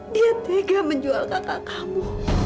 dia tega menjual kakak kamu